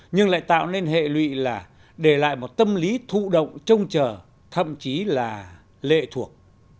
nhưng lại tạo nên hệ lụy là để lại một tâm lý thụ động trông chờ thậm chí là lệ thuộc